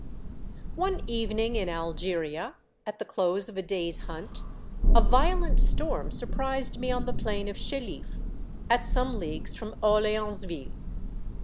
One evening in Algeria, at the close of a day's hunt, a violent storm surprised me on the plain of Chelif, at some leagues from Orleansville.